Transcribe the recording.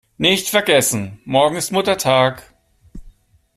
Nicht vergessen: Morgen ist Muttertag!